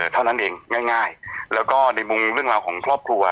เท่านั้นเองง่ายแล้วก็ในมุมเรื่องราวของครอบครัว